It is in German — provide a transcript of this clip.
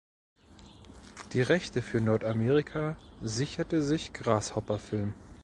Die Rechte für Nordamerika sicherte sich Grasshopper Film.